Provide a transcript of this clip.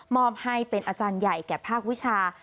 อบให้เป็นอาจารย์ใหญ่แก่ภาควิชา